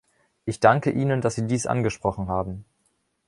Ich danke Ihnen, dass sie dies angesprochen haben.